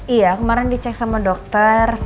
iya kemarin dicek sama dokter